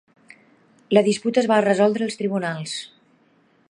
La disputa es va resoldre als tribunals.